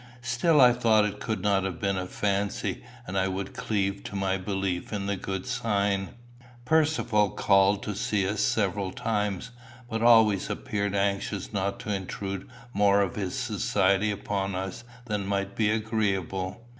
Still I thought it could not have been a fancy, and I would cleave to my belief in the good sign. Percivale called to see us several times, but always appeared anxious not to intrude more of his society upon us than might be agreeable.